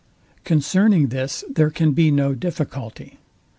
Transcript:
Concerning this there can be no difficulty.